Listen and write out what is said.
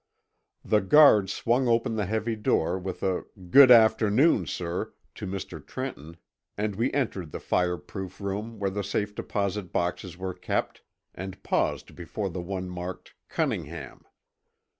The guard swung open the heavy door with a "good afternoon, sir," to Mr. Trenton, and we entered the fireproof room where the safe deposit boxes were kept and paused before the one marked Cunningham.